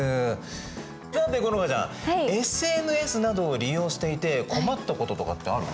さて好花ちゃんＳＮＳなどを利用していて困ったこととかってある？